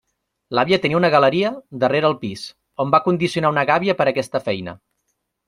L'àvia tenia una galeria, darrere el pis, on va condicionar una gàbia per a aquesta feina.